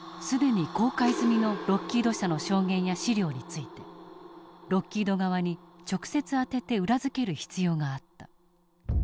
既に公開済みのロッキード社の証言や資料についてロッキード側に直接あてて裏付ける必要があった。